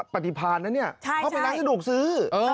ปฏิพาณนะเนี่ยเข้าไปร้านสะดวกซื้อ